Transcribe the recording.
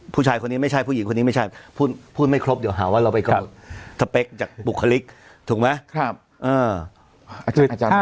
ผู้ชายคนนี้ไม่ใช่ผู้หญิงคนนี้ไม่ใช่พูดไม่ครบเดี๋ยวหาว่าเราไปกำหนดสเปคจากบุคลิกถูกไหม